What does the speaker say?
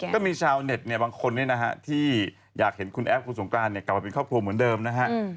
ก็มีชาวเน็ตเนี่ยบางคนเนี่ยนะฮะที่อยากเห็นคุณแอฟคุณสงกรานเนี่ยกลับมาเป็นครอบครัวเหมือนเดิมนะฮะ